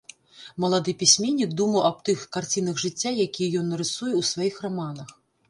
Малады пісьменнік думаў аб тых карцінах жыцця, якія ён нарысуе ў сваіх раманах.